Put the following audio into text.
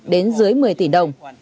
đến dưới một mươi tỷ đồng